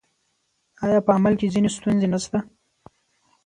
آیا په عمل کې ځینې ستونزې نشته؟